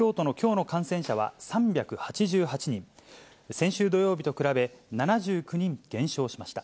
先週土曜日と比べ、７９人減少しました。